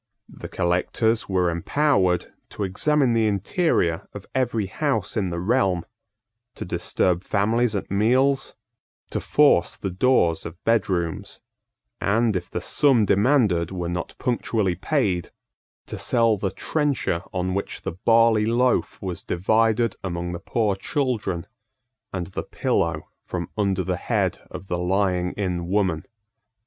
The collectors were empowered to examine the interior of every house in the realm, to disturb families at meals, to force the doors of bedrooms, and, if the sum demanded were not punctually paid, to sell the trencher on which the barley loaf was divided among the poor children, and the pillow from under the head of the lying in woman.